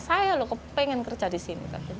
saya loh kepengen kerja di sini